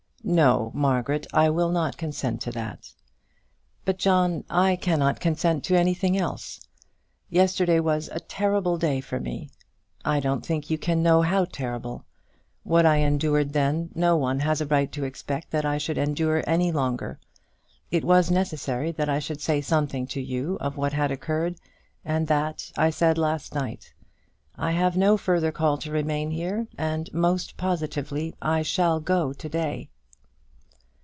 "No, Margaret; I will not consent to that." "But, John, I cannot consent to anything else. Yesterday was a terrible day for me. I don't think you can know how terrible. What I endured then no one has a right to expect that I should endure any longer. It was necessary that I should say something to you of what had occurred, and that I said last night. I have no further call to remain here, and, most positively, I shall go to day."